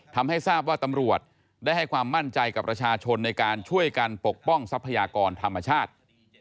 ทำให้ทราบว่าตำรวจได้ให้ความมั่นใจกับประชาชนในการช่วยกันปกป้องทรัพยากรธรรมชาติ